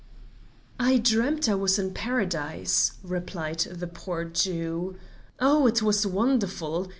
"I dreamt I was in Paradise," replied the poor Jew. "Oh! it was wonderful!